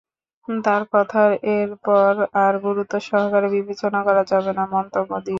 তাঁর কথার এরপর আর গুরুত্ব সহকারে বিবেচনা করা যাবে না"" মন্তব্য দিয়ে।